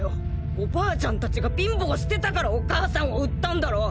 おばあちゃん達が貧乏してたからお母さんを売ったんだろ。